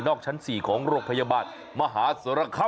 นอกชั้น๔ของโรคพยาบาลมหาสรครรภ์